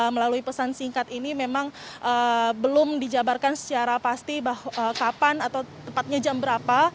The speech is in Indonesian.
melalui pesan singkat ini memang belum dijabarkan secara pasti bahwa kapan atau tepatnya jam berapa